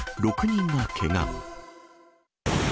６人がけが。